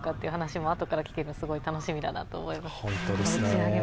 あとから聞けるのがすごい楽しみだなと思います。